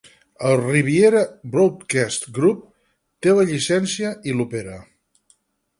El Riviera Broadcast Group té la llicència i l'opera.